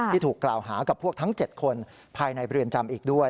ที่ถูกกล่าวหากับพวกทั้ง๗คนภายในเรือนจำอีกด้วย